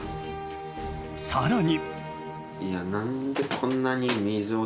更に。